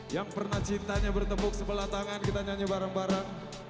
yang pernah cintanya bertepuk sebelah tangan kita nyanyi bareng bareng